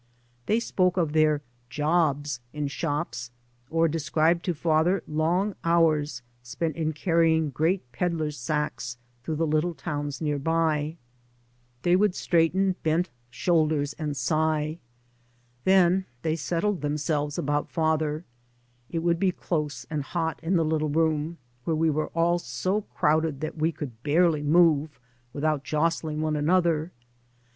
They spoke of their " jobs " in shops, or described to father long hours spent in carrying great pedlars' sacks through the little towns nearby. They would 3 by Google MY MOTHER AND I straighten bent shoulders, and sigh. Then they settled themselves about father. It would be close and hot in the little room, where we were all so crowded that we could barely move without jostling one another.